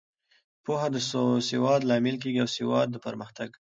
پوهه د سواد لامل کیږي او سواد د پرمختګ.